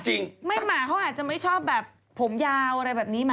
กิ๊วเมื่อหมาเขาอาจจะไม่ชอบแบบผมยาวอะไรแบบนี้